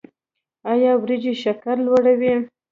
ایا وریجې شکر لوړوي؟